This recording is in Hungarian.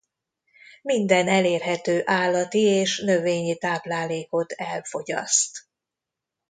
Minden elérhető állati és növényi táplálékot elfogyaszt.